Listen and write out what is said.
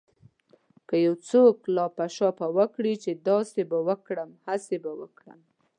که يو څوک لاپه شاپه وکړي چې داسې به وکړم هسې به وکړم.